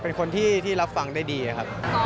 เป็นคนที่รับฟังได้ดีครับ